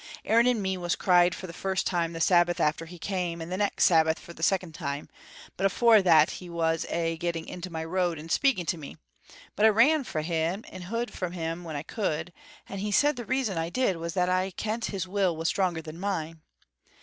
Aaron and me was cried for the first time the Sabbath after he came, and the next Sabbath for the second time, but afore that he was aye getting in my road and speaking to me, but I ran frae him and hod frae him when I could, and he said the reason I did that was because I kent his will was stronger than mine.